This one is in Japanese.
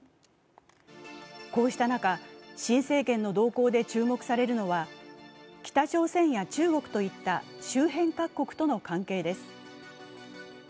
こうした中、新政権の動向で注目されるのは、北朝鮮や中国といった周辺各国との関係です。